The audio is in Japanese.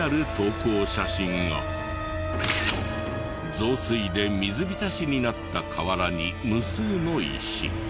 増水で水浸しになった河原に無数の石。